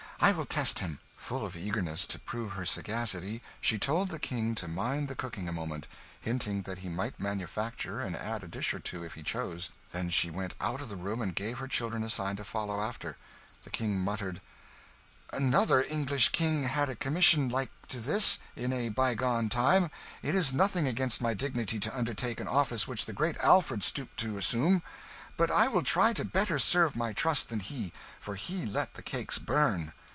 I will test him." Full of eagerness to prove her sagacity, she told the King to mind the cooking a moment hinting that he might manufacture and add a dish or two, if he chose; then she went out of the room and gave her children a sign to follow after. The King muttered "Another English king had a commission like to this, in a bygone time it is nothing against my dignity to undertake an office which the great Alfred stooped to assume. But I will try to better serve my trust than he; for he let the cakes burn."